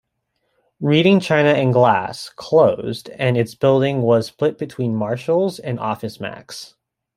Reading China and Glass closed and its building was split between Marshalls and OfficeMax.